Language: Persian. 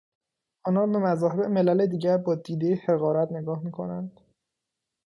آنان به مذاهب ملل دیگر با دیدهی حقارت نگاه میکنند.